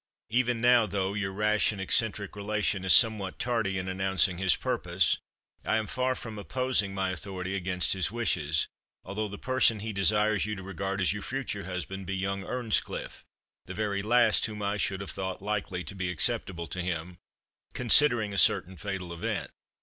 "Even now, though your rash and eccentric relation is somewhat tardy in announcing his purpose, I am far from opposing my authority against his wishes, although the person he desires you to regard as your future husband be young Earnscliff; the very last whom I should have thought likely to be acceptable to him, considering a certain fatal event.